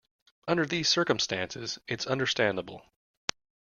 Under these circumstances it's understandable.